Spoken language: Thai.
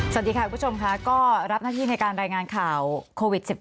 สวัสดีค่ะคุณผู้ชมค่ะก็รับหน้าที่ในการรายงานข่าวโควิด๑๙